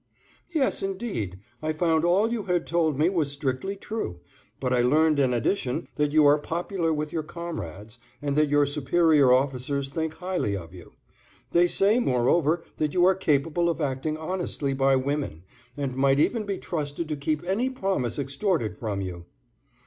"Yes, indeed; I found all you had told me was strictly true, but I learned in addition that you are popular with your comrades, and that your superior officers think highly of you. They say, moreover, that you are capable of acting honestly by women, and might even be trusted to keep any promise extorted from you."